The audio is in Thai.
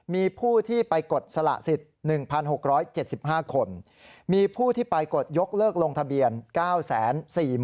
มีผู้ที่ไปกดสละสิทธิ์๑๖๗๕คนมีผู้ที่ไปกดยกเลิกลงทะเบียน๙๔๐๐๐